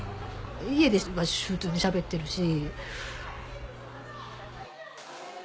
家では普通にしゃべってるし。